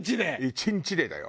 １日でだよ。